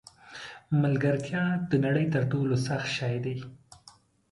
ملګرتیا د نړۍ تر ټولو سخت شی دی.